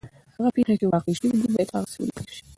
هغه پېښې چي واقع سوي دي باید هغسي ولیکل سي.